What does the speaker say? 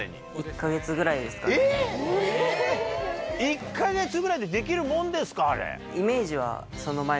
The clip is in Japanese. えぇ⁉１か月ぐらいでできるもんですか？